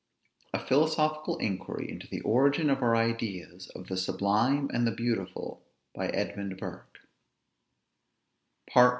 A PHILOSOPHICAL INQUIRY INTO THE ORIGIN OF OUR IDEAS OF THE SUBLIME AND BEAUTIFUL PART I.